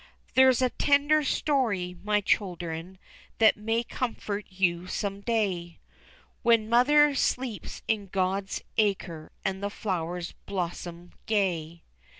_ There's a tender story, my children, that may comfort you some day When mother sleeps in God's acre, and the flowers blossom gay.